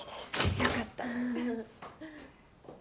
よかった。